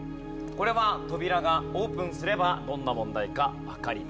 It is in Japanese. これは扉がオープンすればどんな問題かわかります。